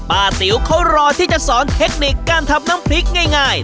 ติ๋วเขารอที่จะสอนเทคนิคการทำน้ำพริกง่าย